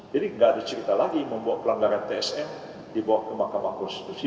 jadi gak ada cerita lagi membawa pelanggaran tsm dibawa ke mahkamah konstitusi